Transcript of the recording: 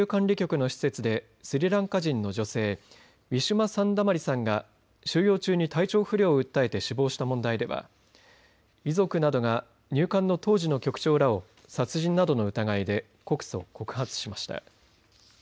おととし名古屋出入国在留管理局の施設でスリランカ人の女性ウィシュマ・サンダマリさんが収容中に体調不良を訴えて死亡した問題では遺族などが入管の当時の局長らを殺人などの疑いで告訴・告発しました。